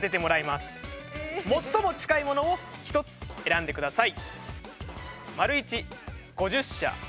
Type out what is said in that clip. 最も近いものを１つ選んでください。